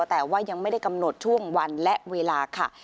แต่ว่ายังไม่ได้กำหนดช่วงวันและเวลาค่ะ